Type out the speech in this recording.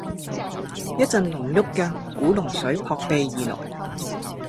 一陣濃郁的古龍水撲鼻而來